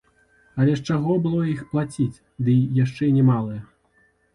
Але з чаго было іх плаціць, дый яшчэ немалыя?